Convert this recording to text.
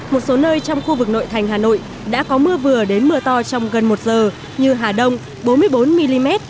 một số nơi trong khu vực nội thành hà nội đã có mưa vừa đến mưa to trong gần một giờ như hà đông bốn mươi bốn mm